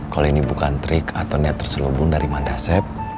kalo ini bukan trik atau niat terselubung dari mang dasep